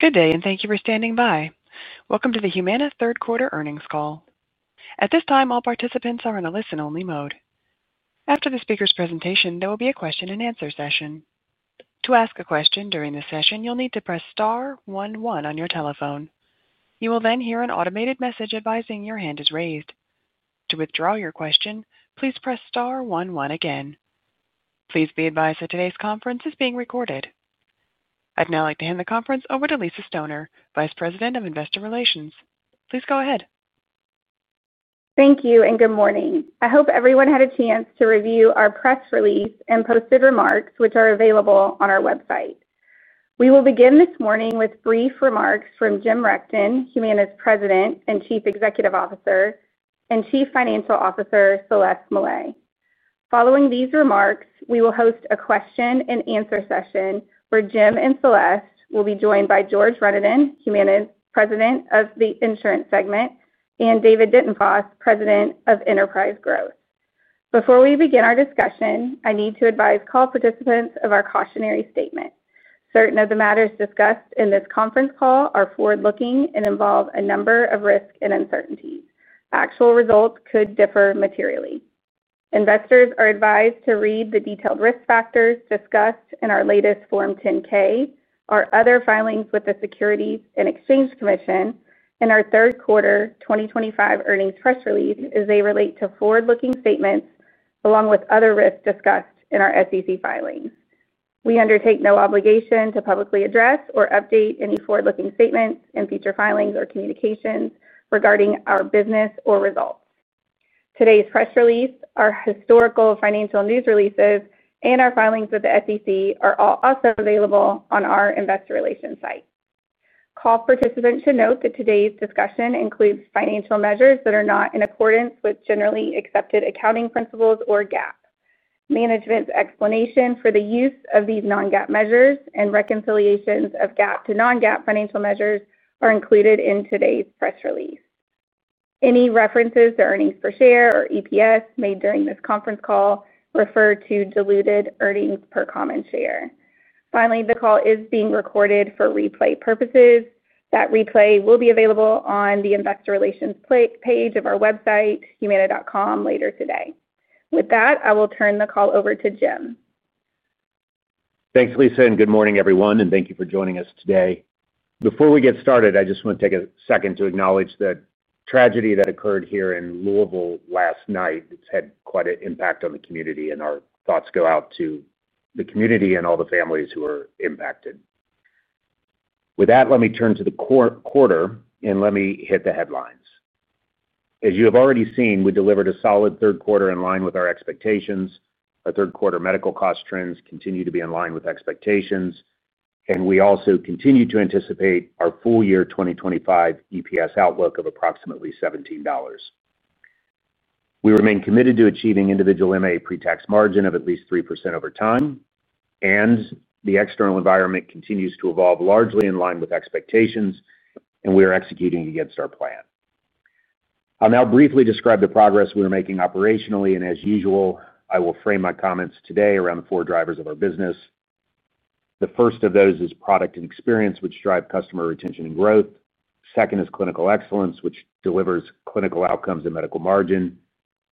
Good day, and thank you for standing by. Welcome to the Humana third quarter earnings call. At this time, all participants are in a listen-only mode. After the speaker's presentation, there will be a question-and-answer session. To ask a question during this session, you'll need star one one on your telephone. You will then hear an automated message advising your hand is raised. To withdraw your question, star one one again. please be advised that today's conference is being recorded. I'd now like to hand the conference over to Lisa Stoner, Vice President of Investor Relations. Please go ahead. Thank you, and good morning. I hope everyone had a chance to review our press release and posted remarks, which are available on our website. We will begin this morning with brief remarks from Jim Rechtin, Humana's President and Chief Executive Officer, and Chief Financial Officer, Celeste Mellet. Following these remarks, we will host a question-and-answer session where Jim and Celeste will be joined by George Renaudin, Humana's President of the Insurance Segment, and David Dintenfass, President of Enterprise Growth. Before we begin our discussion, I need to advise call participants of our cautionary statement. Certain of the matters discussed in this conference call are forward-looking and involve a number of risks and uncertainties. Actual results could differ materially. Investors are advised to read the detailed risk factors discussed in our latest Form 10-K, our other filings with the SEC, and our third quarter 2025 earnings press release as they relate to forward-looking statements along with other risks discussed in our SEC filings. We undertake no obligation to publicly address or update any forward-looking statements and future filings or communications regarding our business or results. Today's press release, our historical financial news releases, and our filings with the SEC are also available on our Investor Relations site. Call participants should note that today's discussion includes financial measures that are not in accordance with generally accepted accounting principles or GAAP. Management's explanation for the use of these non-GAAP measures and reconciliations of GAAP to non-GAAP financial measures are included in today's press release. Any references to earnings per share or EPS made during this conference call refer to diluted earnings per common share. Finally, the call is being recorded for replay purposes. That replay will be available on the Investor Relations page of our website, humana.com, later today. With that, I will turn the call over to Jim. Thanks, Lisa, and good morning, everyone, and thank you for joining us today. Before we get started, I just want to take a second to acknowledge the tragedy that occurred here in Louisville last night. It's had quite an impact on the community, and our thoughts go out to the community and all the families who are impacted. With that, let me turn to the quarter, and let me hit the headlines. As you have already seen, we delivered a solid third quarter in line with our expectations. Our third quarter medical cost trends continue to be in line with expectations, and we also continue to anticipate our full year 2025 EPS outlook of approximately $17. We remain committed to achieving individual MA pretax margin of at least 3% over time, and the external environment continues to evolve largely in line with expectations, and we are executing against our plan. I'll now briefly describe the progress we are making operationally, and as usual, I will frame my comments today around the four drivers of our business. The first of those is product and experience, which drive customer retention and growth. Second is clinical excellence, which delivers clinical outcomes and medical margin.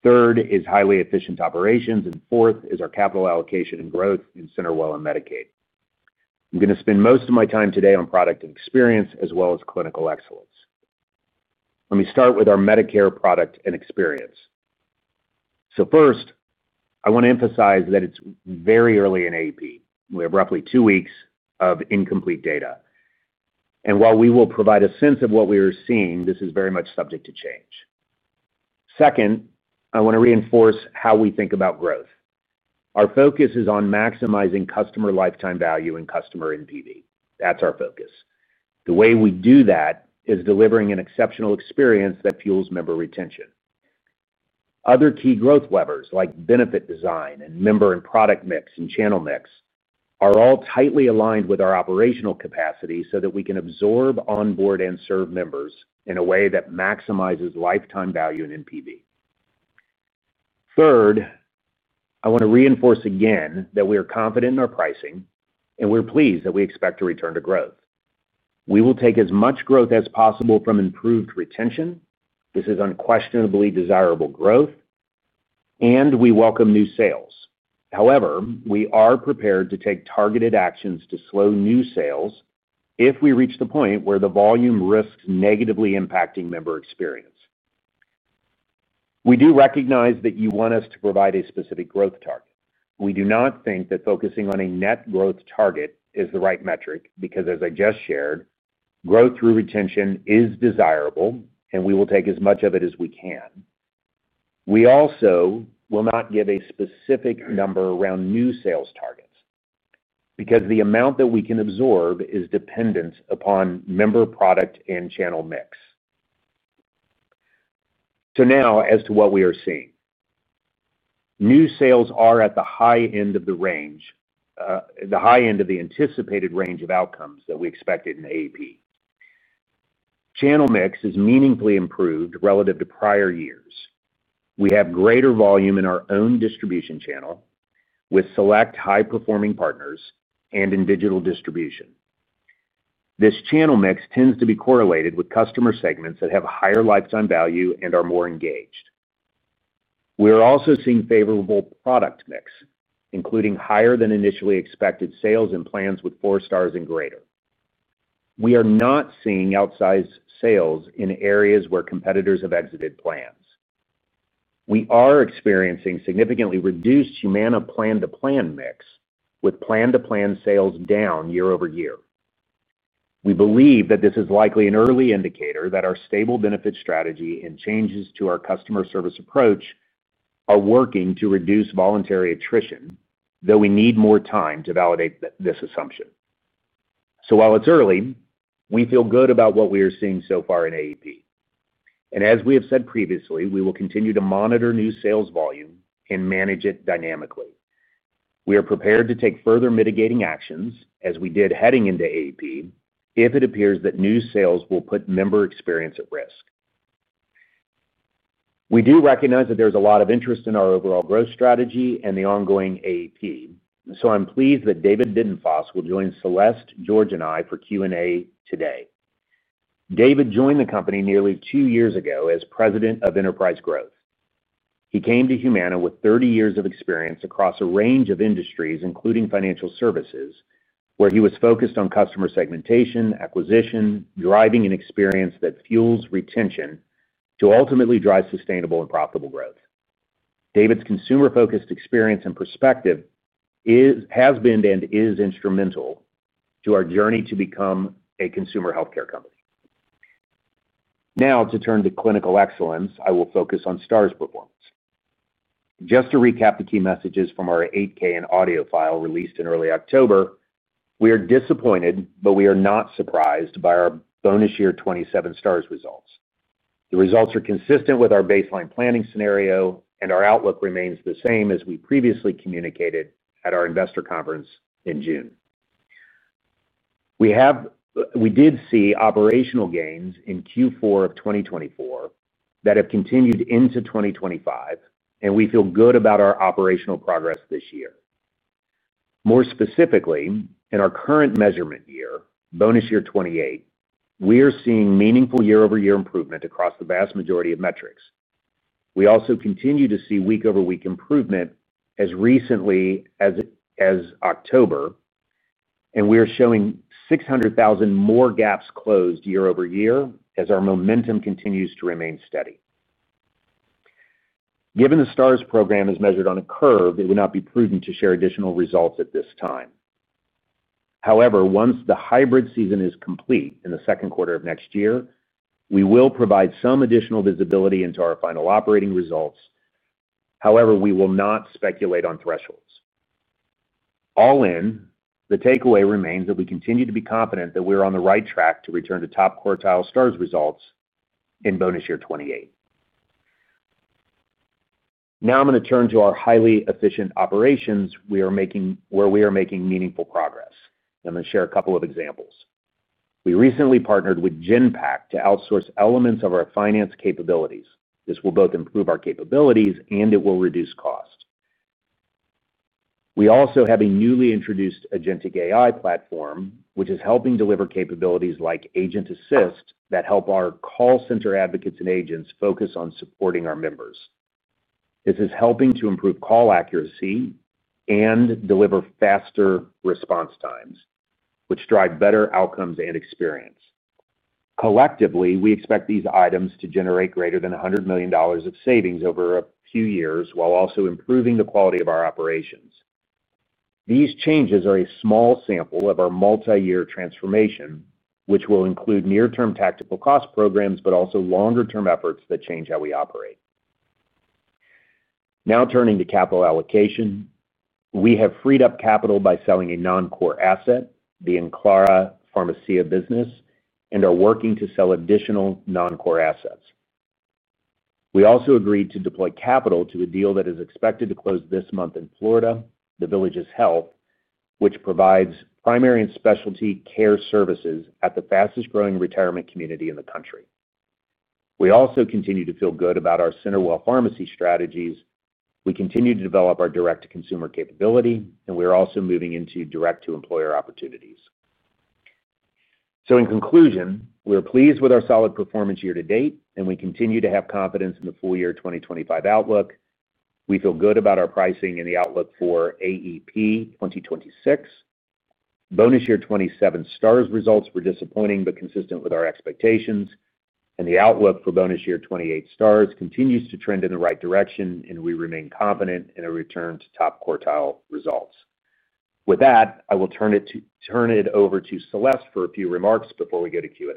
Third is highly efficient operations, and fourth is our capital allocation and growth in CenterWell and Medicaid. I'm going to spend most of my time today on product and experience as well as clinical excellence. Let me start with our Medicare product and experience. First, I want to emphasize that it's very early in AEP. We have roughly two weeks of incomplete data. While we will provide a sense of what we are seeing, this is very much subject to change. Second, I want to reinforce how we think about growth. Our focus is on maximizing customer lifetime value and customer NPV. That's our focus. The way we do that is delivering an exceptional experience that fuels member retention. Other key growth levers like benefit design and member and product mix and channel mix are all tightly aligned with our operational capacity so that we can absorb, onboard, and serve members in a way that maximizes lifetime value and NPV. Third, I want to reinforce again that we are confident in our pricing, and we're pleased that we expect a return to growth. We will take as much growth as possible from improved retention. This is unquestionably desirable growth. We welcome new sales. However, we are prepared to take targeted actions to slow new sales if we reach the point where the volume risks negatively impacting member experience. We do recognize that you want us to provide a specific growth target. We do not think that focusing on a net growth target is the right metric because, as I just shared, growth through retention is desirable, and we will take as much of it as we can. We also will not give a specific number around new sales targets because the amount that we can absorb is dependent upon member product and channel mix. Now, as to what we are seeing. New sales are at the high end of the range, the high end of the anticipated range of outcomes that we expected in AEP. Channel mix is meaningfully improved relative to prior years. We have greater volume in our own distribution channel with select high-performing partners and in digital distribution. This channel mix tends to be correlated with customer segments that have higher lifetime value and are more engaged. We are also seeing favorable product mix, including higher-than-initially-expected sales in plans with four Stars and greater. We are not seeing outsized sales in areas where competitors have exited plans. We are experiencing significantly reduced Humana plan-to-plan mix, with plan-to-plan sales down year over year. We believe that this is likely an early indicator that our stable benefit strategy and changes to our customer service approach are working to reduce voluntary attrition, though we need more time to validate this assumption. While it is early, we feel good about what we are seeing so far in AEP. As we have said previously, we will continue to monitor new sales volume and manage it dynamically. We are prepared to take further mitigating actions, as we did heading into AEP, if it appears that new sales will put member experience at risk. We do recognize that there's a lot of interest in our overall growth strategy and the ongoing AEP. I'm pleased that David Dintenfass will join Celeste, George, and me for Q&A today. David joined the company nearly two years ago as President of Enterprise Growth. He came to Humana with 30 years of experience across a range of industries, including financial services, where he was focused on customer segmentation, acquisition, driving an experience that fuels retention to ultimately drive sustainable and profitable growth. David's consumer-focused experience and perspective has been and is instrumental to our journey to become a consumer healthcare company. Now, to turn to clinical excellence, I will focus on Stars performance. Just to recap the key messages from our 8-K and audio file released in early October, we are disappointed, but we are not surprised by our bonus year 27 Stars results. The results are consistent with our baseline planning scenario, and our outlook remains the same as we previously communicated at our investor conference in June. We did see operational gains in Q4 of 2024 that have continued into 2025, and we feel good about our operational progress this year. More specifically, in our current measurement year, bonus year 28, we are seeing meaningful year-over-year improvement across the vast majority of metrics. We also continue to see week-over-week improvement as recently as October, and we are showing 600,000 more gaps closed year-over-year as our momentum continues to remain steady. Given the Stars program is measured on a curve, it would not be prudent to share additional results at this time. However, once the hybrid season is complete in the second quarter of next year, we will provide some additional visibility into our final operating results. However, we will not speculate on thresholds. All in, the takeaway remains that we continue to be confident that we are on the right track to return to top quartile Stars results in bonus year 2028. Now I'm going to turn to our highly efficient operations where we are making meaningful progress. I'm going to share a couple of examples. We recently partnered with Genpact to outsource elements of our finance capabilities. This will both improve our capabilities, and it will reduce cost. We also have a newly introduced agentic AI platform, which is helping deliver capabilities like Agent Assist that help our call center advocates and agents focus on supporting our members. This is helping to improve call accuracy and deliver faster response times, which drive better outcomes and experience. Collectively, we expect these items to generate greater than $100 million of savings over a few years while also improving the quality of our operations. These changes are a small sample of our multi-year transformation, which will include near-term tactical cost programs, but also longer-term efforts that change how we operate. Now turning to capital allocation, we have freed up capital by selling a non-core asset, the Enclara Pharmacia business, and are working to sell additional non-core assets. We also agreed to deploy capital to a deal that is expected to close this month in Florida, The Villages Health, which provides primary and specialty care services at the fastest-growing retirement community in the country. We also continue to feel good about our CenterWell pharmacy strategies. We continue to develop our direct-to-consumer capability, and we are also moving into direct-to-employer opportunities. In conclusion, we are pleased with our solid performance year to date, and we continue to have confidence in the full year 2025 outlook. We feel good about our pricing and the outlook for AEP 2026. Bonus year 27 Stars results were disappointing but consistent with our expectations, and the outlook for bonus year 28 Stars continues to trend in the right direction, and we remain confident in a return to top quartile results. With that, I will turn it over to Celeste for a few remarks before we go to Q&A.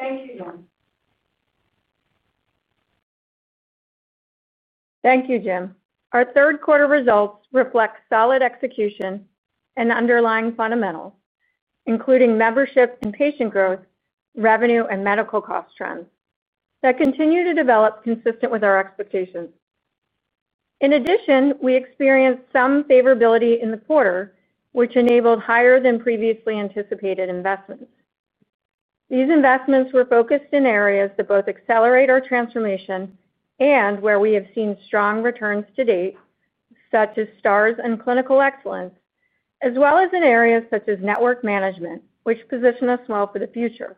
Thank you, Jim. Thank you, Jim. Our third quarter results reflect solid execution and underlying fundamentals, including membership and patient growth, revenue, and medical cost trends that continue to develop consistent with our expectations. In addition, we experienced some favorability in the quarter, which enabled higher-than-previously-anticipated investments. These investments were focused in areas that both accelerate our transformation and where we have seen strong returns to date, such as Stars and clinical excellence, as well as in areas such as network management, which position us well for the future.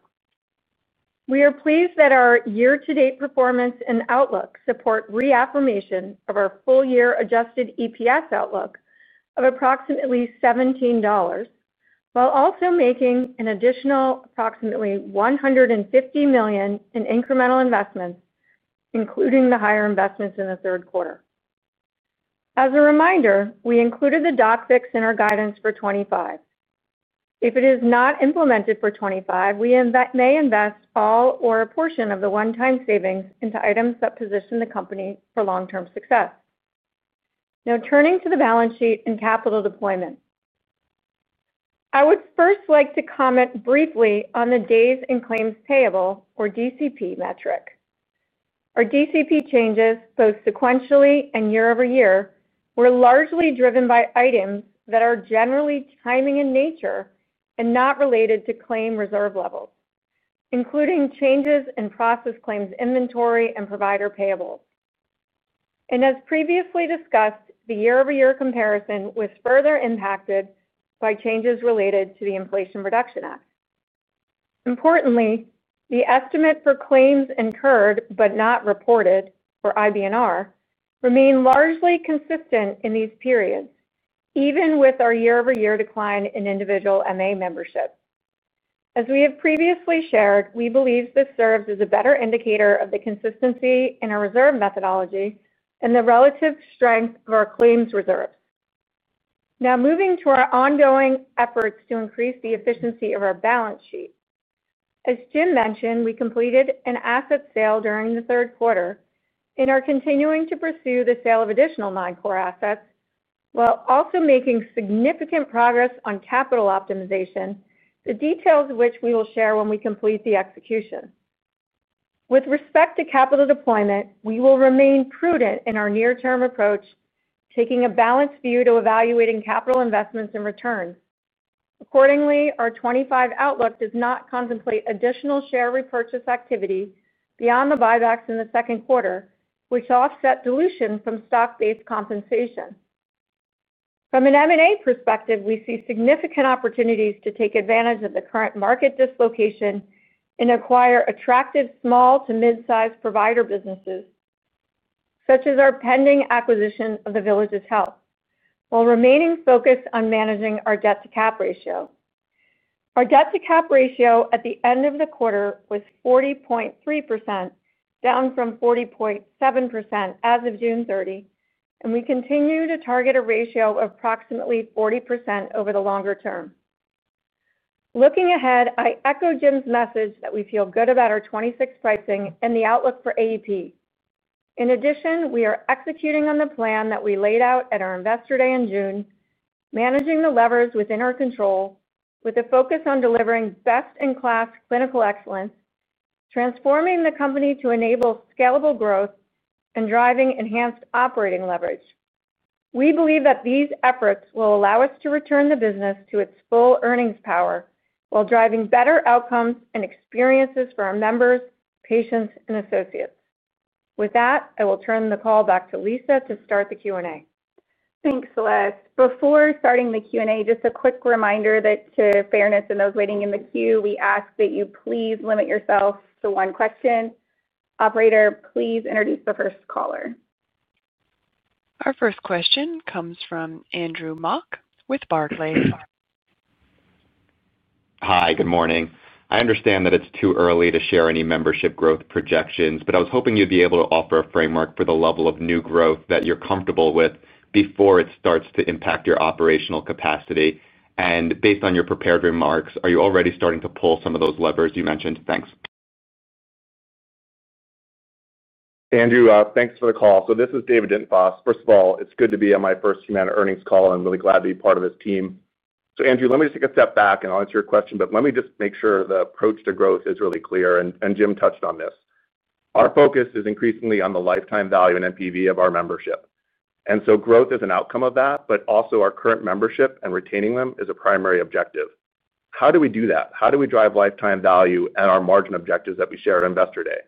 We are pleased that our year-to-date performance and outlook support reaffirmation of our full year adjusted EPS outlook of approximately $17. While also making an additional approximately $150 million in incremental investments, including the higher investments in the third quarter. As a reminder, we included the Doc Fix in our guidance for 2025. If it is not implemented for 2025, we may invest all or a portion of the one-time savings into items that position the company for long-term success. Now, turning to the balance sheet and capital deployment. I would first like to comment briefly on the Days in Claims Payable, or DCP, metric. Our DCP changes, both sequentially and year-over-year, were largely driven by items that are generally timing in nature and not related to claim reserve levels, including changes in process claims inventory and provider payables. As previously discussed, the year-over-year comparison was further impacted by changes related to the Inflation Reduction Act. Importantly, the estimate for claims incurred but not reported for IBNR remained largely consistent in these periods, even with our year-over-year decline in individual MA membership. As we have previously shared, we believe this serves as a better indicator of the consistency in our reserve methodology and the relative strength of our claims reserves. Now, moving to our ongoing efforts to increase the efficiency of our balance sheet. As Jim mentioned, we completed an asset sale during the third quarter and are continuing to pursue the sale of additional non-core assets while also making significant progress on capital optimization, the details of which we will share when we complete the execution. With respect to capital deployment, we will remain prudent in our near-term approach, taking a balanced view to evaluating capital investments and returns. Accordingly, our 2025 outlook does not contemplate additional share repurchase activity beyond the buybacks in the second quarter, which offset dilution from stock-based compensation. From an M&A perspective, we see significant opportunities to take advantage of the current market dislocation and acquire attractive small to mid-sized provider businesses, such as our pending acquisition of The Villages Health, while remaining focused on managing our debt-to-cap ratio. Our debt-to-cap ratio at the end of the quarter was 40.3%, down from 40.7% as of June 30, and we continue to target a ratio of approximately 40% over the longer term. Looking ahead, I echo Jim's message that we feel good about our 2026 pricing and the outlook for AEP. In addition, we are executing on the plan that we laid out at our Investor Day in June, managing the levers within our control with a focus on delivering best-in-class clinical excellence, transforming the company to enable scalable growth and driving enhanced operating leverage. We believe that these efforts will allow us to return the business to its full earnings power while driving better outcomes and experiences for our members, patients, and associates. With that, I will turn the call back to Lisa to start the Q&A. Thanks, Celeste. Before starting the Q&A, just a quick reminder that to be fair and for those waiting in the queue, we ask that you please limit yourself to one question. Operator, please introduce the first caller. Our first question comes from Andrew Mok with Barclays. Hi, good morning. I understand that it's too early to share any membership growth projections, but I was hoping you'd be able to offer a framework for the level of new growth that you're comfortable with before it starts to impact your operational capacity. Based on your prepared remarks, are you already starting to pull some of those levers you mentioned? Thanks. Andrew, thanks for the call. This is David Dintenfass. First of all, it's good to be on my first Humana earnings call, and I'm really glad to be part of this team. Andrew, let me just take a step back and I'll answer your question, but let me just make sure the approach to growth is really clear. Jim touched on this. Our focus is increasingly on the lifetime value and NPV of our membership. Growth is an outcome of that, but also our current membership and retaining them is a primary objective. How do we do that? How do we drive lifetime value and our margin objectives that we shared on Investor Day?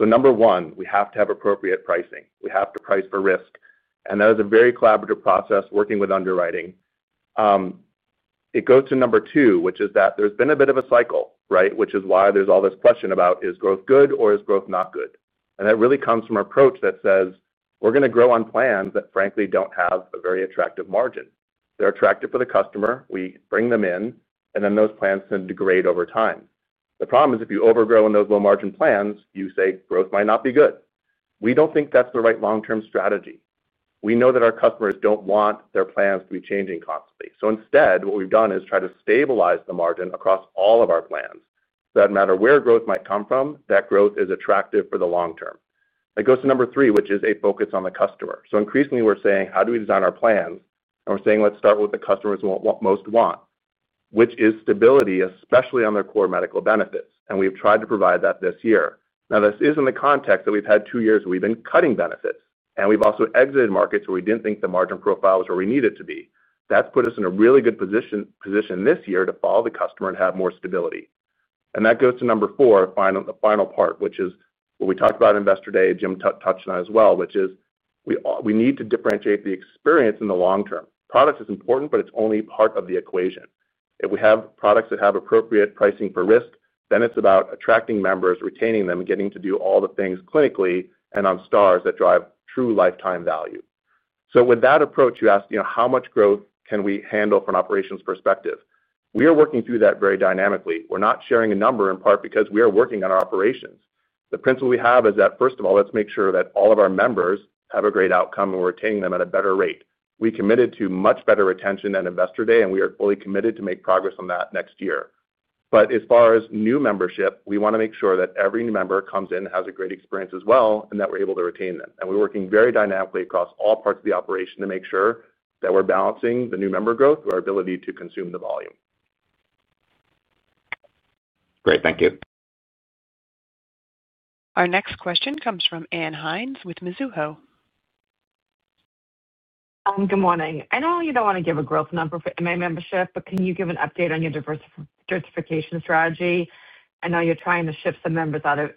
Number one, we have to have appropriate pricing. We have to price for risk. That is a very collaborative process working with underwriting. It goes to number two, which is that there's been a bit of a cycle, right? Which is why there's all this question about, is growth good or is growth not good? That really comes from our approach that says, we're going to grow on plans that frankly don't have a very attractive margin. They're attractive for the customer. We bring them in, and then those plans tend to degrade over time. The problem is if you overgrow on those low-margin plans, you say growth might not be good. We don't think that's the right long-term strategy. We know that our customers don't want their plans to be changing constantly. Instead, what we've done is try to stabilize the margin across all of our plans. That way, no matter where growth might come from, that growth is attractive for the long term. That goes to number three, which is a focus on the customer. Increasingly, we're saying, how do we design our plans? We're saying, let's start with what the customers most want, which is stability, especially on their core medical benefits. We've tried to provide that this year. This is in the context that we've had two years where we've been cutting benefits, and we've also exited markets where we did not think the margin profile was where we needed to be. That has put us in a really good position this year to follow the customer and have more stability. That goes to number four, the final part, which is what we talked about on Investor Day. Jim touched on it as well, which is we need to differentiate the experience in the long term. Product is important, but it is only part of the equation. If we have products that have appropriate pricing for risk, then it's about attracting members, retaining them, and getting to do all the things clinically and on Stars that drive true lifetime value. With that approach, you asked, how much growth can we handle from an operations perspective? We are working through that very dynamically. We're not sharing a number in part because we are working on our operations. The principle we have is that, first of all, let's make sure that all of our members have a great outcome and we're retaining them at a better rate. We committed to much better retention than Investor Day, and we are fully committed to make progress on that next year. As far as new membership, we want to make sure that every new member comes in and has a great experience as well, and that we're able to retain them. We're working very dynamically across all parts of the operation to make sure that we're balancing the new member growth with our ability to consume the volume. Great. Thank you. Our next question comes from Ann Hynes with Mizuho. Good morning. I know you don't want to give a growth number for M&A membership, but can you give an update on your diversification strategy? I know you're trying to shift some members out of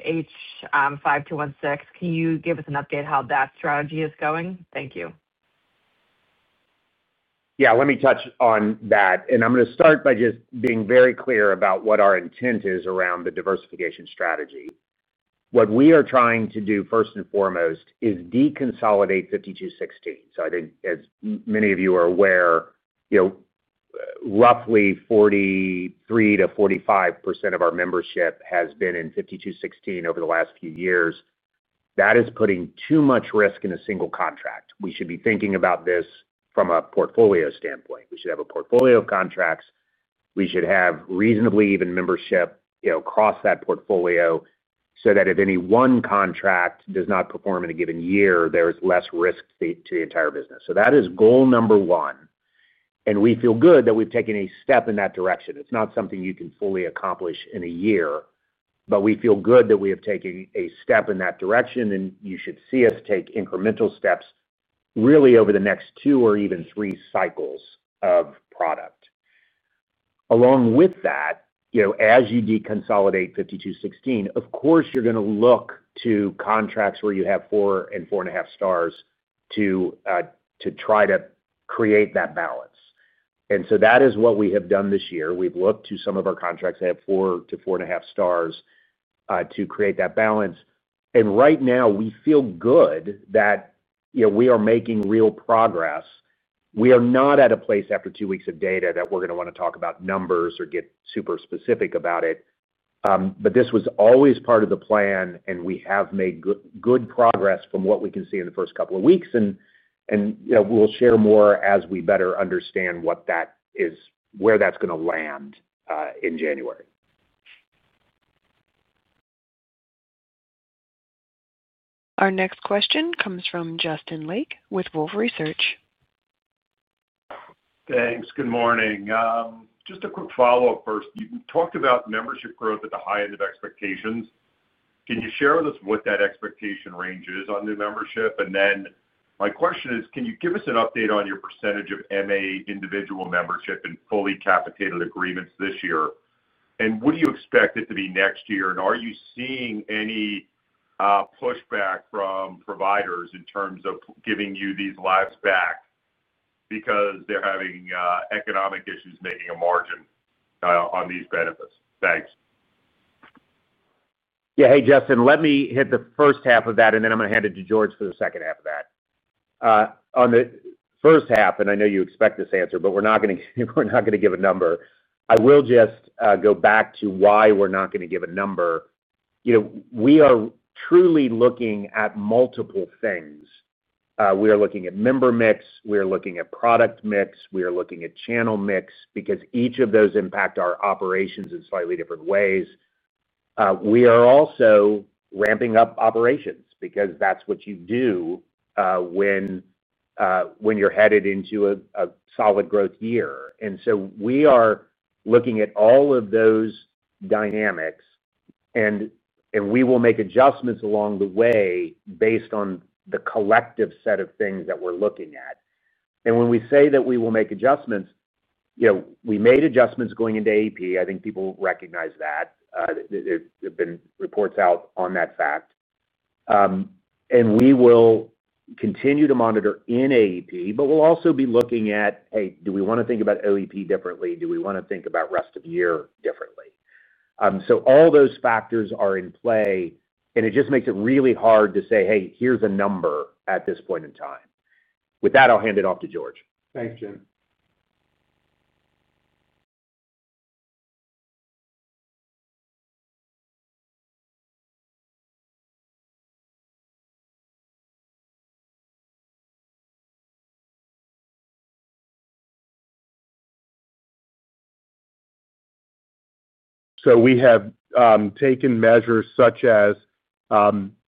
H5216. Can you give us an update on how that strategy is going? Thank you. Yeah, let me touch on that. I'm going to start by just being very clear about what our intent is around the diversification strategy. What we are trying to do first and foremost is deconsolidate H5216. I think, as many of you are aware, roughly 43%-45% of our membership has been in H5216 over the last few years. That is putting too much risk in a single contract. We should be thinking about this from a portfolio standpoint. We should have a portfolio of contracts. We should have reasonably even membership across that portfolio so that if any one contract does not perform in a given year, there is less risk to the entire business. That is goal number one. We feel good that we've taken a step in that direction. It's not something you can fully accomplish in a year, but we feel good that we have taken a step in that direction, and you should see us take incremental steps really over the next two or even three cycles of product. Along with that, as you deconsolidate H5216, of course, you're going to look to contracts where you have four and four and a half Stars to try to create that balance. That is what we have done this year. We've looked to some of our contracts that have four to four and a half Stars to create that balance. Right now, we feel good that we are making real progress. We are not at a place after two weeks of data that we're going to want to talk about numbers or get super specific about it. This was always part of the plan, and we have made good progress from what we can see in the first couple of weeks. We will share more as we better understand where that is going to land in January. Our next question comes from Justin Lake with Wolfe Research. Thanks. Good morning. Just a quick follow-up first. You talked about membership growth at the high end of expectations. Can you share with us what that expectation range is on new membership? My question is, can you give us an update on your percentage of MA individual membership and fully capitated agreements this year? What do you expect it to be next year? Are you seeing any pushback from providers in terms of giving you these lives back because they're having economic issues making a margin on these benefits? Thanks. Yeah. Hey, Justin, let me hit the first half of that, and then I'm going to hand it to George for the second half of that. On the first half, and I know you expect this answer, but we're not going to give a number. I will just go back to why we're not going to give a number. We are truly looking at multiple things. We are looking at member mix. We are looking at product mix. We are looking at channel mix because each of those impact our operations in slightly different ways. We are also ramping up operations because that's what you do when you're headed into a solid growth year. We are looking at all of those dynamics, and we will make adjustments along the way based on the collective set of things that we're looking at. When we say that we will make adjustments, we made adjustments going into AEP. I think people recognize that. There have been reports out on that fact. We will continue to monitor in AEP, but we'll also be looking at, hey, do we want to think about OEP differently? Do we want to think about rest of year differently? All those factors are in play, and it just makes it really hard to say, hey, here's a number at this point in time. With that, I'll hand it off to George. Thanks, Jim. We have taken measures such as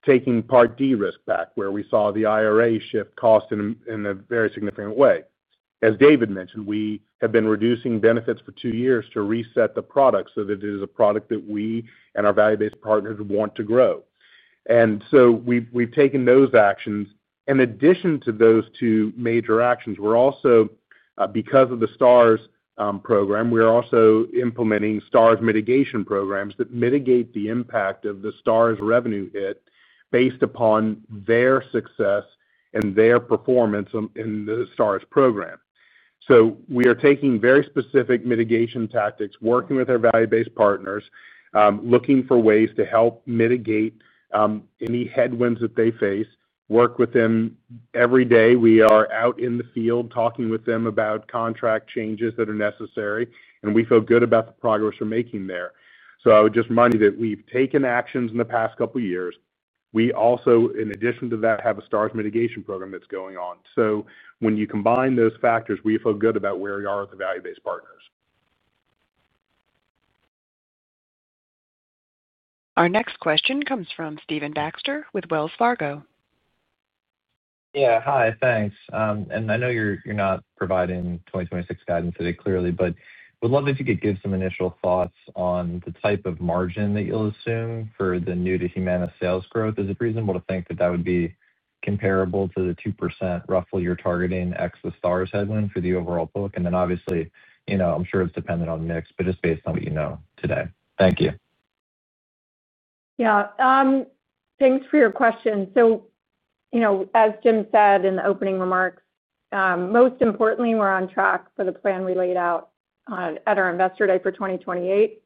taking Part D risk back, where we saw the IRA shift cost in a very significant way. As David mentioned, we have been reducing benefits for two years to reset the product so that it is a product that we and our value-based partners want to grow. We have taken those actions. In addition to those two major actions, because of the Stars program, we are also implementing Stars mitigation programs that mitigate the impact of the Stars revenue hit based upon their success and their performance in the Stars program. We are taking very specific mitigation tactics, working with our value-based partners, looking for ways to help mitigate any headwinds that they face. Every day, we are out in the field talking with them about contract changes that are necessary, and we feel good about the progress we're making there. I would just remind you that we've taken actions in the past couple of years. We also, in addition to that, have a Stars mitigation program that's going on. When you combine those factors, we feel good about where we are with the value-based partners. Our next question comes from Stephen Baxter with Wells Fargo. Yeah. Hi. Thanks. I know you're not providing 2026 guidance today clearly, but we'd love if you could give some initial thoughts on the type of margin that you'll assume for the new-to-Humana sales growth. Is it reasonable to think that that would be comparable to the 2% roughly you're targeting ex the Stars headwind for the overall book? I'm sure it's dependent on mix, but just based on what you know today. Thank you. Yeah. Thanks for your question. As Jim said in the opening remarks, most importantly, we're on track for the plan we laid out at our Investor Day for 2028.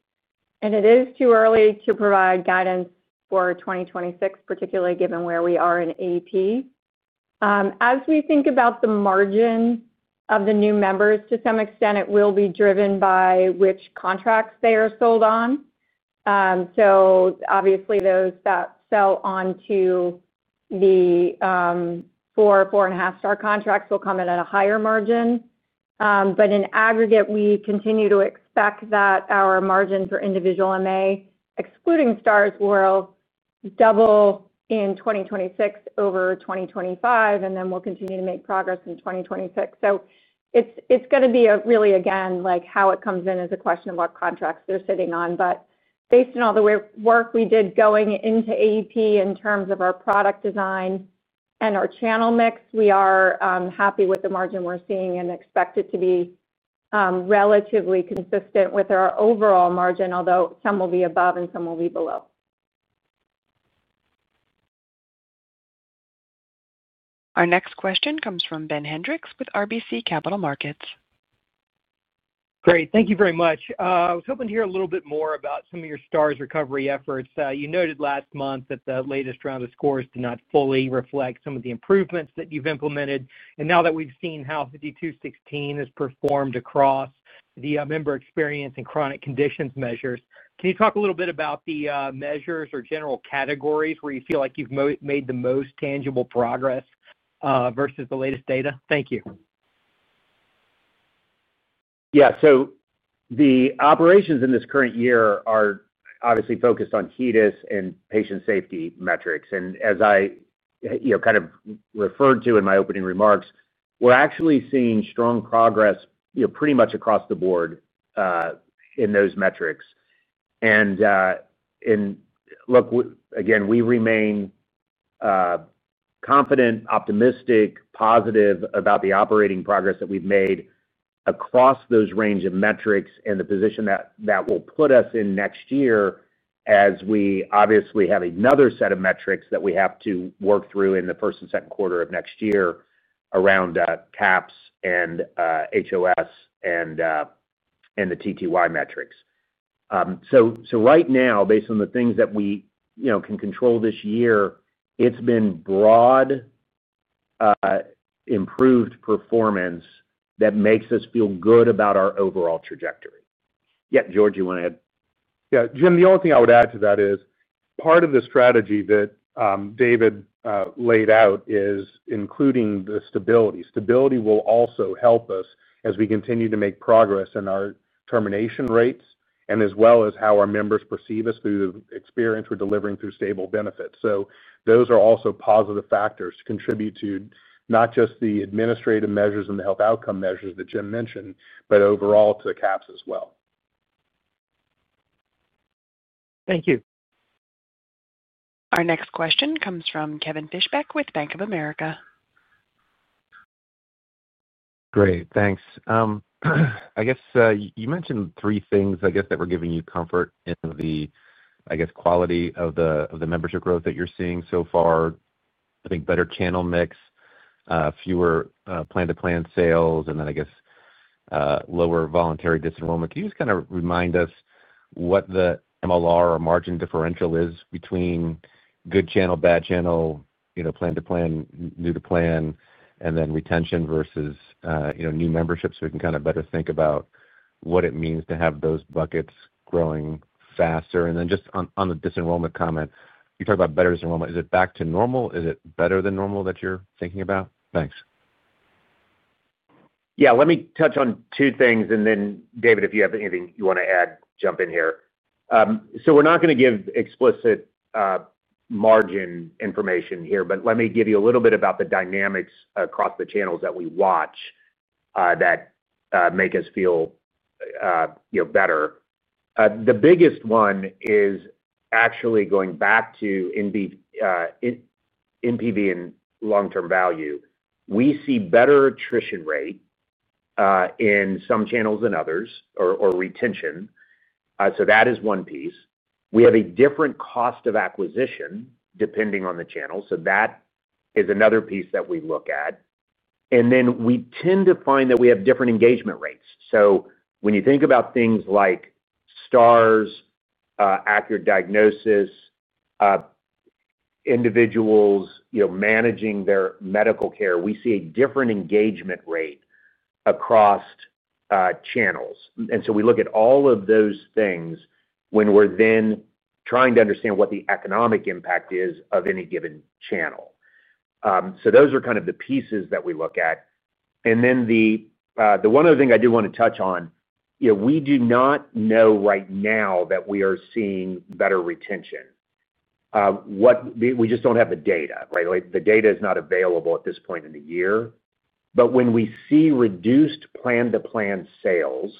It is too early to provide guidance for 2026, particularly given where we are in AEP. As we think about the margin of the new members, to some extent, it will be driven by which contracts they are sold on. Obviously, those that sell onto the four, four and a half Star contracts will come in at a higher margin. In aggregate, we continue to expect that our margin for individual MA, excluding Stars, will double in 2026 over 2025, and then we'll continue to make progress in 2026. It is going to be really, again, how it comes in is a question of what contracts they're sitting on. Based on all the work we did going into AEP in terms of our product design and our channel mix, we are happy with the margin we're seeing and expect it to be relatively consistent with our overall margin, although some will be above and some will be below. Our next question comes from Ben Hendrix with RBC Capital Markets. Great. Thank you very much. I was hoping to hear a little bit more about some of your Stars recovery efforts. You noted last month that the latest round of scores did not fully reflect some of the improvements that you've implemented. Now that we've seen how H5216 has performed across the member experience and chronic conditions measures, can you talk a little bit about the measures or general categories where you feel like you've made the most tangible progress versus the latest data? Thank you. Yeah. The operations in this current year are obviously focused on HEDIS and patient safety metrics. As I kind of referred to in my opening remarks, we're actually seeing strong progress pretty much across the board in those metrics. Look, again, we remain confident, optimistic, positive about the operating progress that we've made across that range of metrics and the position that that will put us in next year as we obviously have another set of metrics that we have to work through in the first and second quarter of next year around CAHPS and HOS and the TTY metrics. Right now, based on the things that we can control this year, it's been broad, improved performance that makes us feel good about our overall trajectory. Yeah. George, you want to add? Yeah. Jim, the only thing I would add to that is part of the strategy that David laid out is including the stability. Stability will also help us as we continue to make progress in our termination rates and as well as how our members perceive us through the experience we're delivering through stable benefits. Those are also positive factors to contribute to not just the administrative measures and the health outcome measures that Jim mentioned, but overall to the CAHPS as well. Thank you. Our next question comes from Kevin Fischbeck with Bank of America. Great. Thanks. I guess you mentioned three things, I guess, that were giving you comfort in the, I guess, quality of the membership growth that you're seeing so far. I think better channel mix, fewer plan-to-plan sales, and then, I guess, lower voluntary disenrollment. Can you just kind of remind us what the MLR or margin differential is between good channel, bad channel, plan-to-plan, new-to-plan, and then retention versus new membership so we can kind of better think about what it means to have those buckets growing faster? And then just on the disenrollment comment, you talked about better disenrollment. Is it back to normal? Is it better than normal that you're thinking about? Thanks. Yeah. Let me touch on two things. Then, David, if you have anything you want to add, jump in here. We are not going to give explicit margin information here, but let me give you a little bit about the dynamics across the channels that we watch. That make us feel better. The biggest one is actually going back to NPV and long-term value. We see better attrition rate in some channels than others or retention. That is one piece. We have a different cost of acquisition depending on the channel. That is another piece that we look at. Then we tend to find that we have different engagement rates. When you think about things like Stars, accurate diagnosis, individuals managing their medical care, we see a different engagement rate across channels. We look at all of those things when we are then trying to understand what the economic impact is of any given channel. Those are kind of the pieces that we look at. The one other thing I do want to touch on. We do not know right now that we are seeing better retention. We just do not have the data, right? The data is not available at this point in the year. When we see reduced plan-to-plan sales,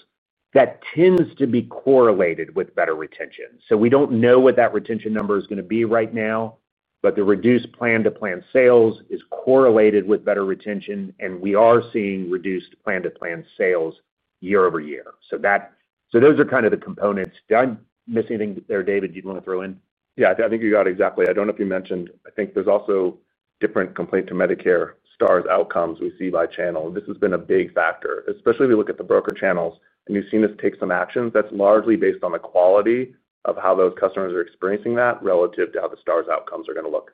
that tends to be correlated with better retention. We do not know what that retention number is going to be right now, but the reduced plan-to-plan sales is correlated with better retention, and we are seeing reduced plan-to-plan sales year over year. Those are kind of the components. Did I miss anything there, David? Did you want to throw in? Yeah. I think you got it exactly. I do not know if you mentioned, I think there is also different complaint-to-Medicare Stars outcomes we see by channel. This has been a big factor, especially if you look at the broker channels, and you have seen us take some actions. That is largely based on the quality of how those customers are experiencing that relative to how the Stars outcomes are going to look.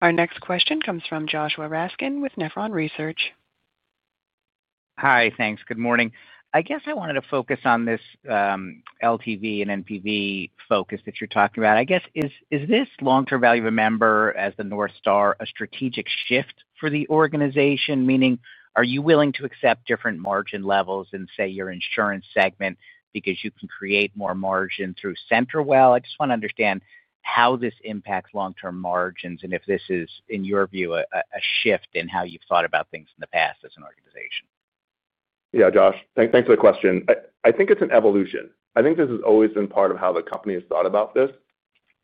Our next question comes from Joshua Raskin with Nephron Research. Hi. Thanks. Good morning. I guess I wanted to focus on this LTV and NPV focus that you're talking about. I guess, is this long-term value of a member as the North Star a strategic shift for the organization? Meaning, are you willing to accept different margin levels in, say, your insurance segment because you can create more margin through CenterWell? I just want to understand how this impacts long-term margins and if this is, in your view, a shift in how you've thought about things in the past as an organization. Yeah, Josh. Thanks for the question. I think it's an evolution. I think this has always been part of how the company has thought about this.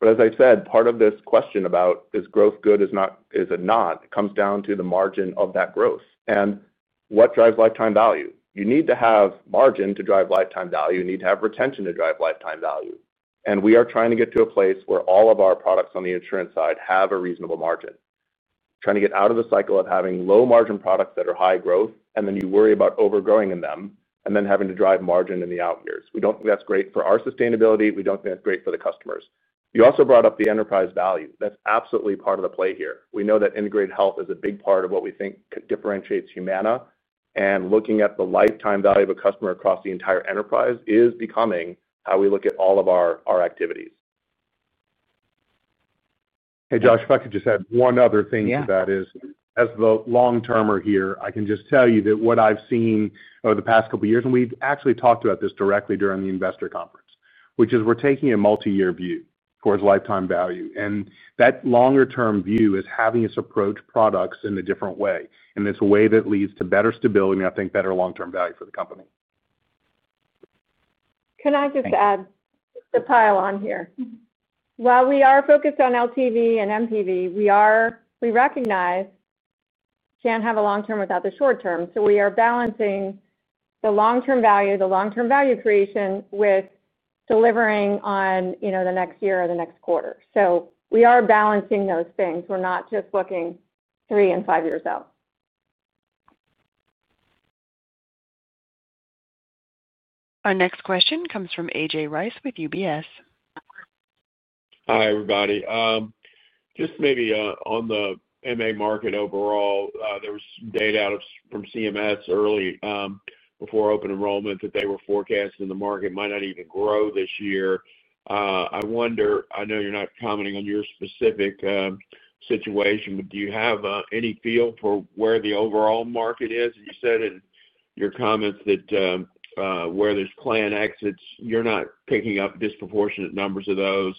As I said, part of this question about is growth good or not, it comes down to the margin of that growth. What drives lifetime value? You need to have margin to drive lifetime value. You need to have retention to drive lifetime value. We are trying to get to a place where all of our products on the insurance side have a reasonable margin. Trying to get out of the cycle of having low-margin products that are high growth, and then you worry about overgrowing in them, and then having to drive margin in the out years. We don't think that's great for our sustainability. We don't think that's great for the customers. You also brought up the enterprise value. That's absolutely part of the play here. We know that integrated health is a big part of what we think differentiates Humana. Looking at the lifetime value of a customer across the entire enterprise is becoming how we look at all of our activities. Hey, Josh, if I could just add one other thing to that is, as the long-termer here, I can just tell you that what I've seen over the past couple of years, and we've actually talked about this directly during the investor conference, which is we're taking a multi-year view towards lifetime value. That longer-term view is having us approach products in a different way. It is a way that leads to better stability and, I think, better long-term value for the company. Can I just add the pile on here? While we are focused on LTV and MPV, we recognize we can't have a long-term without the short-term. We are balancing the long-term value, the long-term value creation with delivering on the next year or the next quarter. We are balancing those things. We're not just looking three and five years out. Our next question comes from AJ Rice with UBS. Hi, everybody. Just maybe on the M&A market overall, there was data from CMS early before open enrollment that they were forecasting the market might not even grow this year. I wonder, I know you're not commenting on your specific situation, but do you have any feel for where the overall market is? You said in your comments that where there's plan exits, you're not picking up disproportionate numbers of those.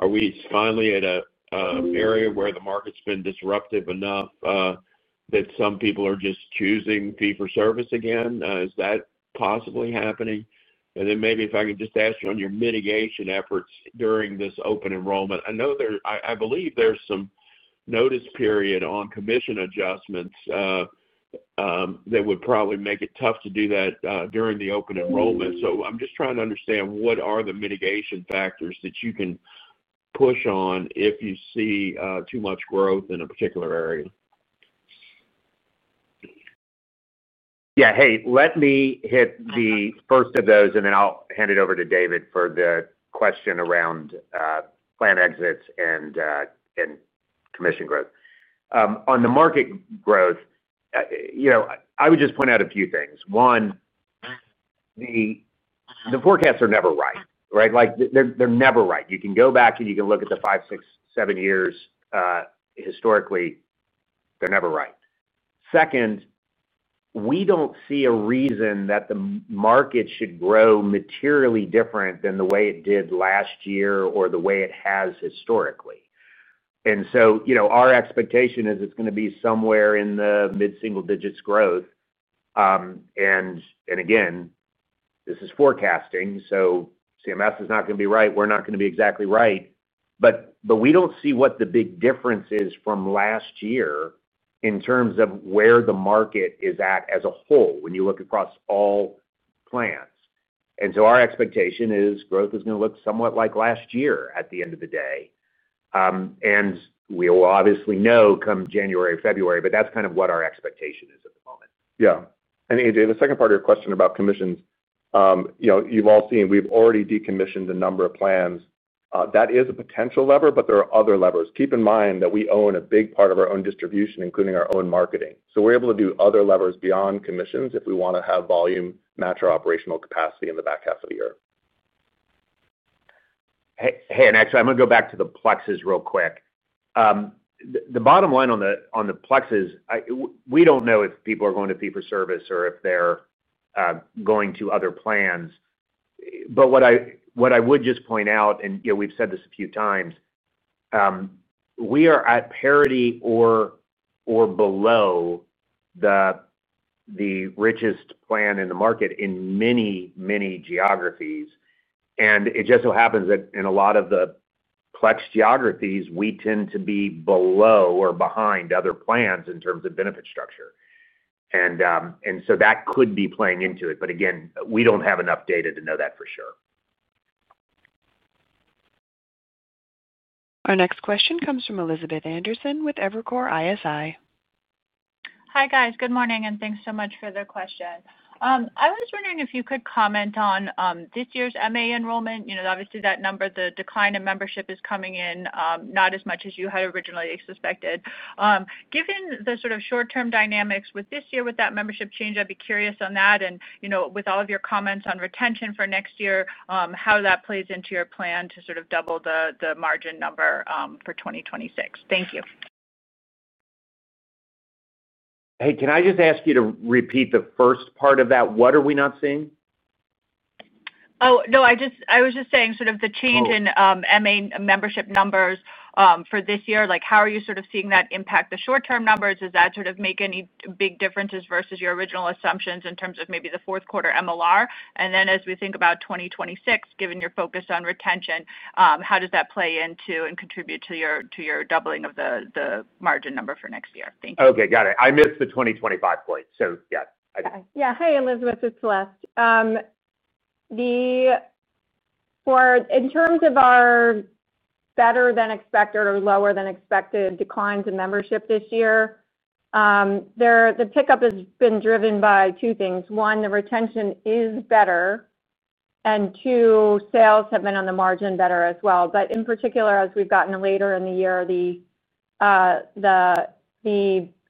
Are we finally at an area where the market's been disruptive enough that some people are just choosing fee-for-service again? Is that possibly happening? And then maybe if I can just ask you on your mitigation efforts during this open enrollment, I believe there's some notice period on commission adjustments. That would probably make it tough to do that during the open enrollment. I'm just trying to understand what are the mitigation factors that you can push on if you see too much growth in a particular area. Yeah. Hey, let me hit the first of those, and then I'll hand it over to David for the question around plan exits and commission growth. On the market growth, I would just point out a few things. One, the forecasts are never right, right? They're never right. You can go back and you can look at the five, six, seven years. Historically, they're never right. Second, we don't see a reason that the market should grow materially different than the way it did last year or the way it has historically. Our expectation is it's going to be somewhere in the mid-single digits growth. Again, this is forecasting. CMS is not going to be right. We're not going to be exactly right. We do not see what the big difference is from last year in terms of where the market is at as a whole when you look across all plans. Our expectation is growth is going to look somewhat like last year at the end of the day. We will obviously know come January or February, but that is kind of what our expectation is at the moment. Yeah. AJ, the second part of your question about commissions, you've all seen we've already decommissioned a number of plans. That is a potential lever, but there are other levers. Keep in mind that we own a big part of our own distribution, including our own marketing. We are able to do other levers beyond commissions if we want to have volume match our operational capacity in the back half of the year. Hey, and actually, I'm going to go back to the Plexus real quick. The bottom line on the Plexus, we don't know if people are going to fee-for-service or if they're going to other plans. What I would just point out, and we've said this a few times, we are at parity or below the richest plan in the market in many, many geographies. It just so happens that in a lot of the Plex geographies, we tend to be below or behind other plans in terms of benefit structure. That could be playing into it. Again, we don't have enough data to know that for sure. Our next question comes from Elizabeth Anderson with Evercore ISI. Hi, guys. Good morning, and thanks so much for the question. I was wondering if you could comment on this year's MA enrollment. Obviously, that number, the decline in membership is coming in not as much as you had originally suspected. Given the sort of short-term dynamics with this year, would that membership change? I'd be curious on that. With all of your comments on retention for next year, how that plays into your plan to sort of double the margin number for 2026. Thank you. Hey, can I just ask you to repeat the first part of that? What are we not seeing? Oh, no. I was just saying sort of the change in MA membership numbers for this year, how are you sort of seeing that impact the short-term numbers? Does that sort of make any big differences versus your original assumptions in terms of maybe the fourth quarter MLR? And then as we think about 2026, given your focus on retention, how does that play into and contribute to your doubling of the margin number for next year? Thank you. Okay. Got it. I missed the 2025 point. So yeah. Yeah. Hi, Elizabeth. It's Celeste. In terms of our better-than-expected or lower-than-expected declines in membership this year, the pickup has been driven by two things. One, the retention is better. Two, sales have been on the margin better as well. In particular, as we've gotten later in the year, the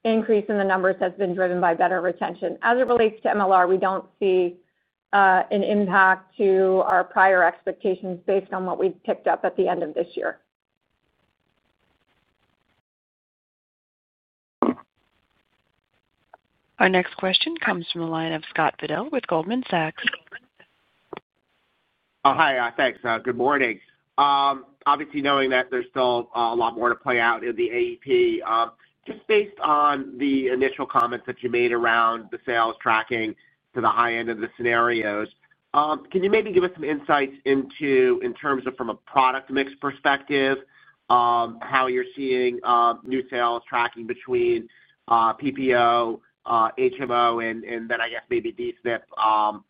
increase in the numbers has been driven by better retention. As it relates to MLR, we do not see an impact to our prior expectations based on what we picked up at the end of this year. Our next question comes from the line of Scott Fidel with Goldman Sachs. Oh, hi. Thanks. Good morning. Obviously, knowing that there's still a lot more to play out in the AEP, just based on the initial comments that you made around the sales tracking to the high end of the scenarios, can you maybe give us some insights in terms of from a product mix perspective, how you're seeing new sales tracking between PPO, HMO, and then I guess maybe D-SNP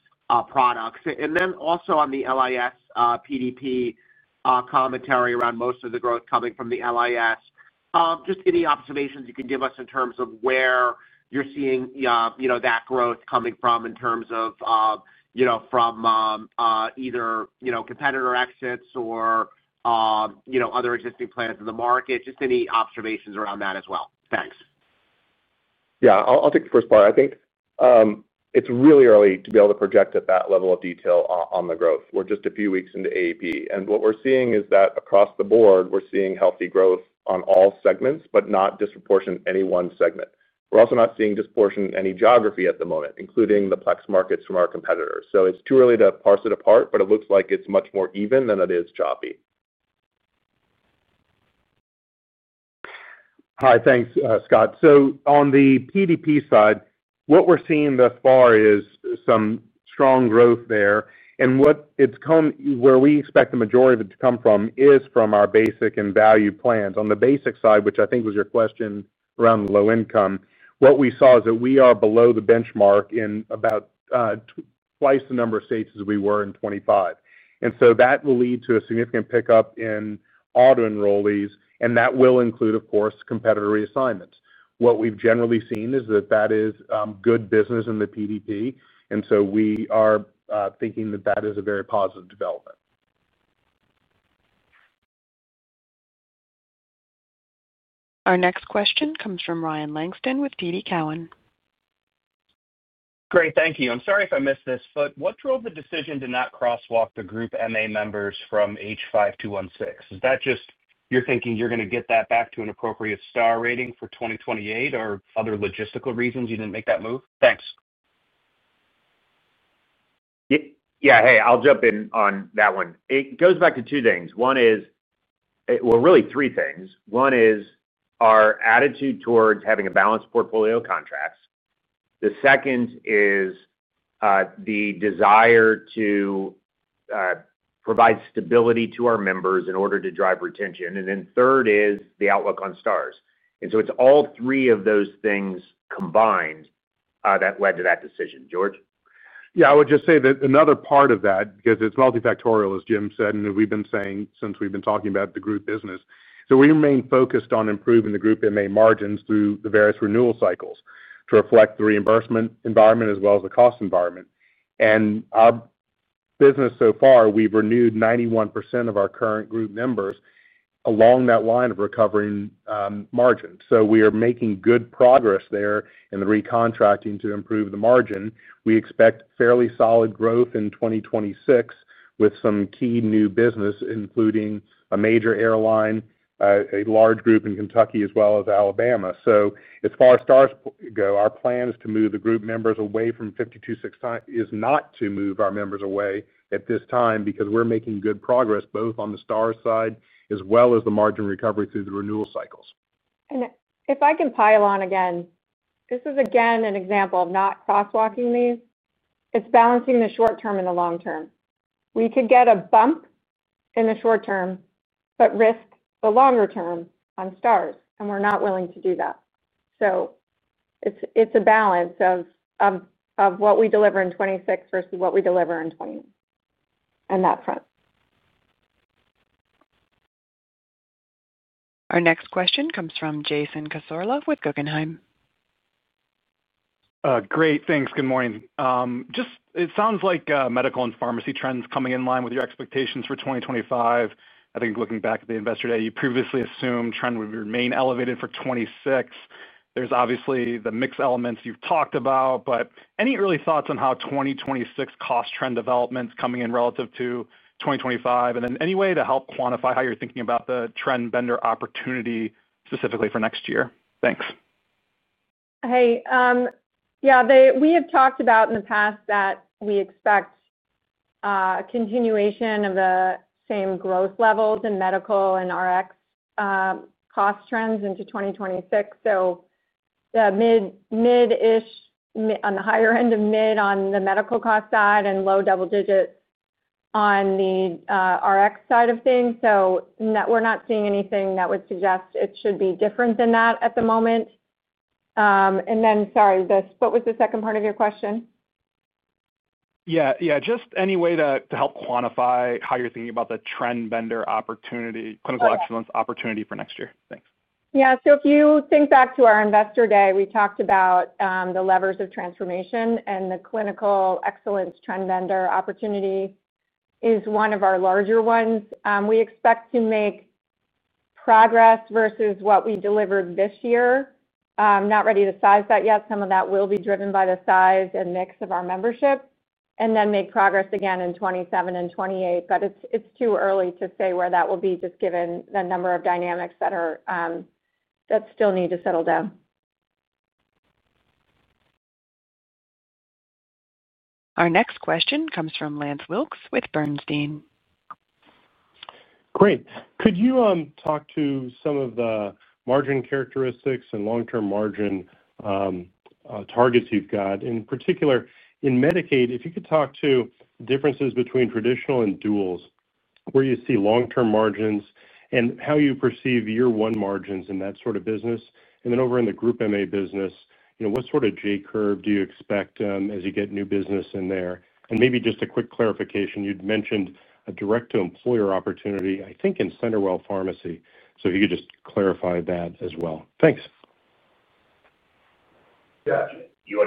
products? And then also on the LIS PDP, commentary around most of the growth coming from the LIS. Just any observations you can give us in terms of where you're seeing that growth coming from in terms of either competitor exits or other existing plans in the market? Just any observations around that as well. Thanks. Yeah. I'll take the first part. I think it's really early to be able to project at that level of detail on the growth. We're just a few weeks into AEP. What we're seeing is that across the board, we're seeing healthy growth on all segments, but not disproportionate in any one segment. We're also not seeing disproportionate in any geography at the moment, including the Plex markets from our competitors. It's too early to parse it apart, but it looks like it's much more even than it is choppy. Hi. Thanks, Scott. On the PDP side, what we're seeing thus far is some strong growth there. Where we expect the majority of it to come from is from our basic and value plans. On the basic side, which I think was your question around the low income, what we saw is that we are below the benchmark in about twice the number of states as we were in 2025. That will lead to a significant pickup in auto enrollees, and that will include, of course, competitor reassignments. What we have generally seen is that that is good business in the PDP, and we are thinking that that is a very positive development. Our next question comes from Ryan Langston with TD Cowen. Great. Thank you. I'm sorry if I missed this, but what drove the decision to not crosswalk the group M&A members from H5216? Is that just you're thinking you're going to get that back to an appropriate Star rating for 2028 or other logistical reasons you didn't make that move? Thanks. Yeah. Hey, I'll jump in on that one. It goes back to two things. One is. Well, really three things. One is our attitude towards having a balanced portfolio of contracts. The second is the desire to provide stability to our members in order to drive retention. And then third is the outlook on Stars. And so it's all three of those things combined that led to that decision. George? Yeah. I would just say that another part of that, because it's multifactorial, as Jim said, and we've been saying since we've been talking about the group business. We remain focused on improving the group M&A margins through the various renewal cycles to reflect the reimbursement environment as well as the cost environment. In our business so far, we've renewed 91% of our current group members. Along that line of recovering margin. We are making good progress there in the recontracting to improve the margin. We expect fairly solid growth in 2026 with some key new business, including a major airline, a large group in Kentucky, as well as Alabama. As far as Stars go, our plan is to move the group members away from 5269. Is not to move our members away at this time because we're making good progress both on the Star side as well as the margin recovery through the renewal cycles. If I can pile on again, this is again an example of not crosswalking these. It is balancing the short term and the long term. We could get a bump in the short term, but risk the longer term on Stars, and we are not willing to do that. It is a balance of what we deliver in 2026 versus what we deliver in 2028 in that front. Our next question comes from Jason Cassorla with Guggenheim. Great. Thanks. Good morning. It sounds like medical and pharmacy trends coming in line with your expectations for 2025. I think looking back at the investor data, you previously assumed trend would remain elevated for 2026. There are obviously the mixed elements you have talked about, but any early thoughts on how 2026 cost trend developments are coming in relative to 2025? Is there any way to help quantify how you are thinking about the trend vendor opportunity specifically for next year? Thanks. Hey. Yeah. We have talked about in the past that we expect continuation of the same growth levels in medical and Rx cost trends into 2026. Mid-ish, on the higher end of mid on the medical cost side and low double digits on the Rx side of things. We are not seeing anything that would suggest it should be different than that at the moment. Sorry, what was the second part of your question? Yeah. Yeah. Just any way to help quantify how you're thinking about the trend vendor opportunity, clinical excellence opportunity for next year? Thanks. Yeah. If you think back to our Investor Day, we talked about the levers of transformation, and the clinical excellence trend vendor opportunity is one of our larger ones. We expect to make progress versus what we delivered this year. I'm not ready to size that yet. Some of that will be driven by the size and mix of our membership. We expect to make progress again in 2027 and 2028. It is too early to say where that will be just given the number of dynamics that still need to settle down. Our next question comes from Lance Wilkes with Bernstein. Great. Could you talk to some of the margin characteristics and long-term margin targets you've got? In particular, in Medicaid, if you could talk to differences between traditional and duals, where you see long-term margins and how you perceive year one margins in that sort of business. Then over in the group M&A business, what sort of J-curve do you expect as you get new business in there? Maybe just a quick clarification. You'd mentioned a direct-to-employer opportunity, I think, in CenterWell Pharmacy. If you could just clarify that as well. Thanks. Yeah. You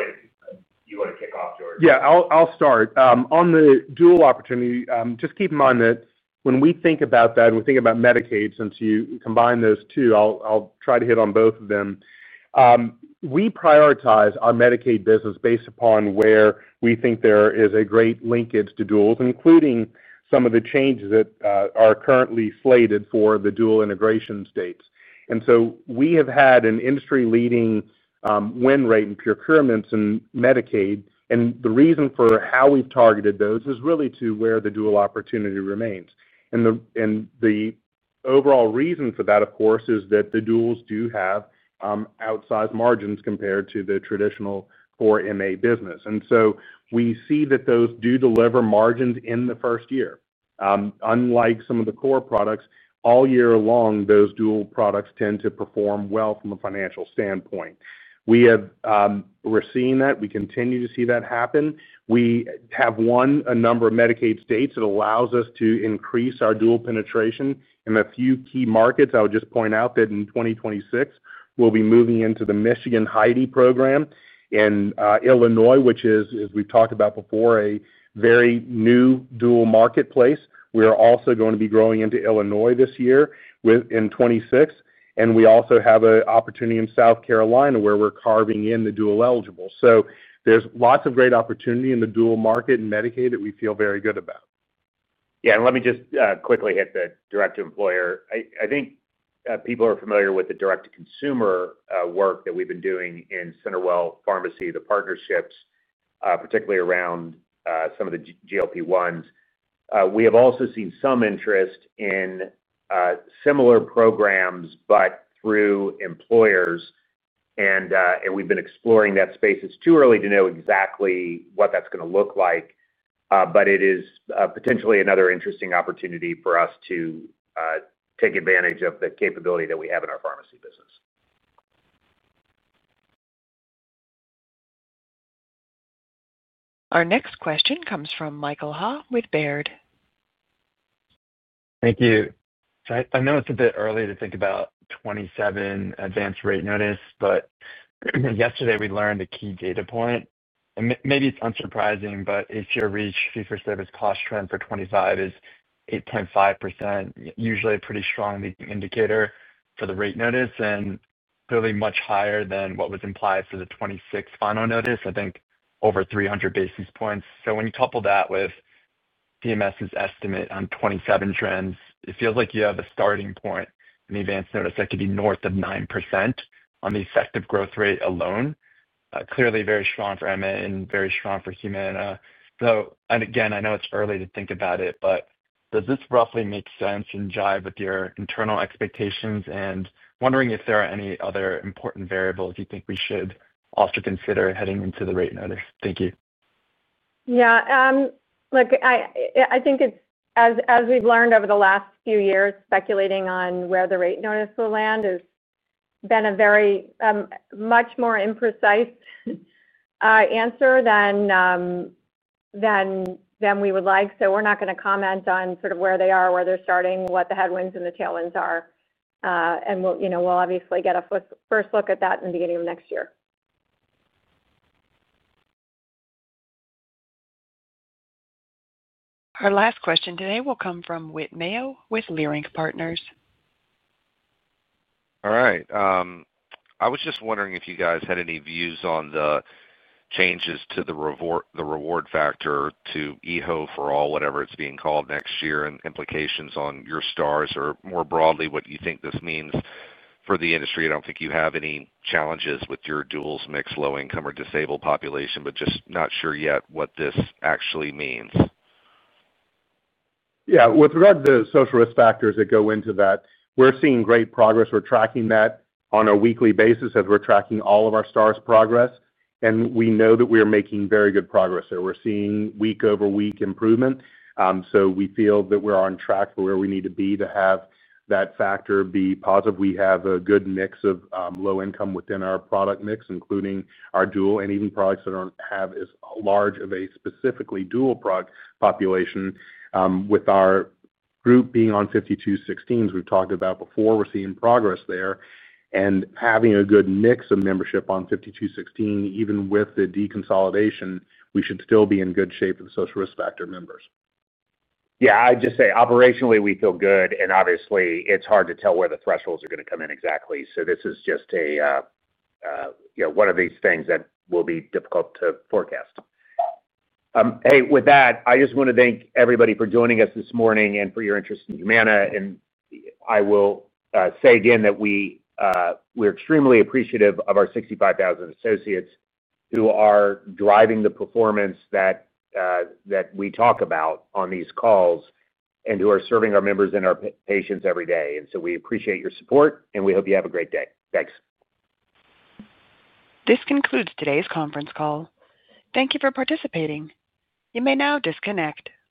want to kick off, George? Yeah. I'll start. On the dual opportunity, just keep in mind that when we think about that, when we think about Medicaid, since you combine those two, I'll try to hit on both of them. We prioritize our Medicaid business based upon where we think there is a great linkage to duals, including some of the changes that are currently slated for the dual integration states. We have had an industry-leading win rate in procurements in Medicaid. The reason for how we've targeted those is really to where the dual opportunity remains. The overall reason for that, of course, is that the duals do have outsized margins compared to the traditional core MA business. We see that those do deliver margins in the first year. Unlike some of the core products, all year long, those dual products tend to perform well from a financial standpoint. We're seeing that. We continue to see that happen. We have won a number of Medicaid states. It allows us to increase our dual penetration. In a few key markets, I would just point out that in 2026, we'll be moving into the Michigan HIDE program. In Illinois, which is, as we've talked about before, a very new dual marketplace. We are also going to be growing into Illinois this year in 2026. We also have an opportunity in South Carolina where we're carving in the dual eligible. There is lots of great opportunity in the dual market in Medicaid that we feel very good about. Yeah. Let me just quickly hit the direct-to-employer. I think people are familiar with the direct-to-consumer work that we've been doing in CenterWell Pharmacy, the partnerships, particularly around some of the GLP-1s. We have also seen some interest in similar programs, but through employers. We've been exploring that space. It's too early to know exactly what that's going to look like, but it is potentially another interesting opportunity for us to take advantage of the capability that we have in our pharmacy business. Our next question comes from Michael Halloran with Baird. Thank you. I know it's a bit early to think about 2027 advance rate notice, but yesterday we learned a key data point. And maybe it's unsurprising, but HCR reach fee-for-service cost trend for 2025 is 8.5%, usually a pretty strong leading indicator for the rate notice, and clearly much higher than what was implied for the 2026 final notice, I think over 300 basis points. So when you couple that with DMS's estimate on 2027 trends, it feels like you have a starting point in the advance notice that could be north of 9% on the effective growth rate alone. Clearly very strong for M&A and very strong for Humana. And again, I know it's early to think about it, but does this roughly make sense and jive with your internal expectations? Are there any other important variables you think we should also consider heading into the rate notice? Thank you. Yeah. I think as we've learned over the last few years, speculating on where the rate notice will land has been a very much more imprecise answer than we would like. We are not going to comment on sort of where they are, where they're starting, what the headwinds and the tailwinds are. We will obviously get a first look at that in the beginning of next year. Our last question today will come from Whit Mayo with Leerink Partners. All right. I was just wondering if you guys had any views on the changes to the reward factor to EHO for all, whatever it's being called next year, and implications on your Stars or more broadly what you think this means for the industry. I don't think you have any challenges with your duals mix, low-income, or disabled population, but just not sure yet what this actually means. Yeah. With regard to the social risk factors that go into that, we're seeing great progress. We're tracking that on a weekly basis as we're tracking all of our Stars progress. We know that we are making very good progress there. We're seeing week-over-week improvement. We feel that we're on track for where we need to be to have that factor be positive. We have a good mix of low-income within our product mix, including our dual and even products that do not have as large of a specifically dual product population. With our group being on H5216s, we've talked about before, we're seeing progress there. Having a good mix of membership on H5216, even with the deconsolidation, we should still be in good shape with the social risk factor members. Yeah. I'd just say operationally, we feel good. Obviously, it's hard to tell where the thresholds are going to come in exactly. This is just one of these things that will be difficult to forecast. Hey, with that, I just want to thank everybody for joining us this morning and for your interest in Humana. I will say again that we are extremely appreciative of our 65,000 associates who are driving the performance that we talk about on these calls and who are serving our members and our patients every day. We appreciate your support, and we hope you have a great day. Thanks. This concludes today's conference call. Thank you for participating. You may now disconnect.